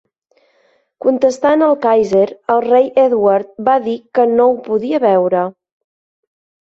Contestant el Kaiser, el rei Edward va dir que no ho podia veure.